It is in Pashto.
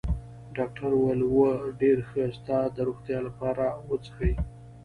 ډاکټر وویل: اوه، ډېر ښه، ستا د روغتیا لپاره، و څښئ.